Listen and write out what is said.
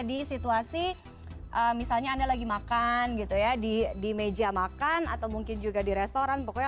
di situasi misalnya anda lagi makan gitu ya di di meja makan atau mungkin juga di restoran pokoknya